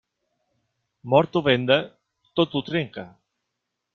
Mort o venda, tot ho trenca.